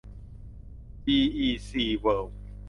บีอีซี เวิลด์